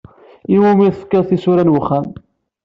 I wumi tefkiḍ tisura n wexxam?